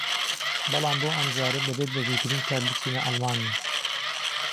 بەڵام بۆ ئەمجارە دەبێت بەزووترین کات بچینە ئەڵمانیا